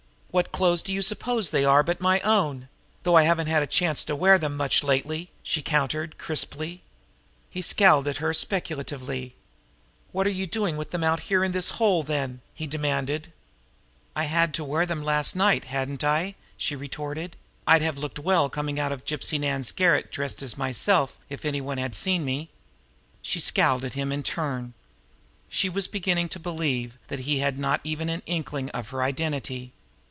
"What clothes do you suppose they are but my own? though I haven't had a chance to wear them much lately!" she countered crisply. He scowled at her speculatively. "What are you doing with them out here in this hole, then?" he demanded. "I had to wear them last night, hadn't I?" she retorted. "I'd have looked well coming out of Gypsy Nan's garret dressed as myself if any one had seen me!" She scowled at him in turn. She was beginning to believe that he had not even an inkling of her identity.